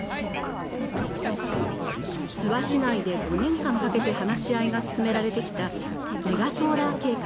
諏訪市内で５年間かけて話し合いが進められてきたメガソーラー計画。